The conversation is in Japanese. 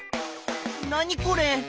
何これ？